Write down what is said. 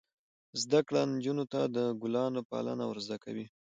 زده کړه نجونو ته د ګلانو پالنه ور زده کوي.